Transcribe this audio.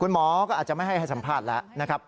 คุณหมอก็อาจจะไม่ให้สัมภาษณ์แล้ว